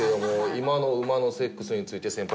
今の馬のセックスについて先輩